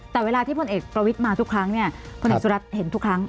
แต่เวลาที่พลเอกประวิทย์มาทุกครั้งเนี่ยพลเอกสุรัตน์เห็นทุกครั้ง